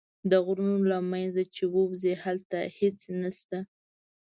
د غرونو له منځه چې ووځې هلته هېڅ نه شته.